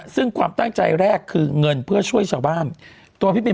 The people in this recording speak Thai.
ซึ่งความตั้งใจแรกคือเงินเพื่อช่วยชาวบ้านตัวพี่บิน